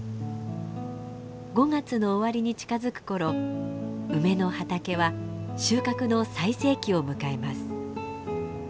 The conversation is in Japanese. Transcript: ５月の終わりに近づく頃梅の畑は収穫の最盛期を迎えます。